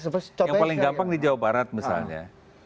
yang paling gampang di jawa barat misalnya